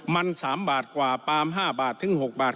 มัน๓บาทกว่าปาม๕บาทถึง๖บาท